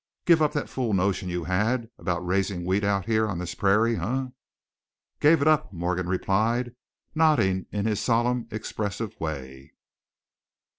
"Give up that fool notion you had about raising wheat out here on this pe rairie, heh?" "Gave it up," Morgan replied, nodding in his solemn, expressive way.